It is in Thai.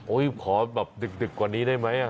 ขอแบบดึกกว่านี้ได้ไหม